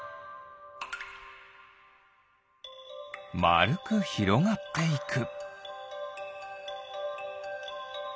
まるくひろがっていく。